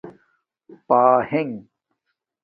پہنݣ